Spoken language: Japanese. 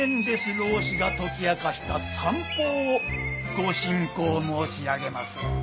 老師が解き明かした算法をご進講申し上げまする。